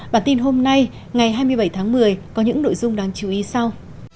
bản tin hôm nay ngày hai mươi bảy tháng một mươi có những nội dung đáng chú ý sau